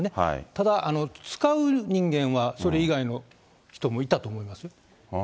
ただ、使う人間はそれ以外の人もいたと思いますね。